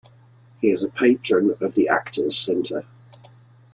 He is a patron of the Actors' Centre.